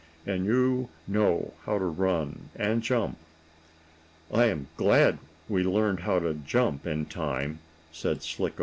And you know how to run and jump." "I am glad we learned how to jump in time," said Slicko.